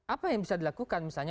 apa yang bisa dilakukan misalnya